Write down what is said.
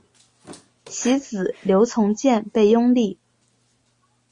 其子刘从谏被拥立。